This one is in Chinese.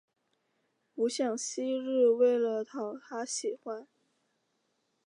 不像昔日为了讨他喜欢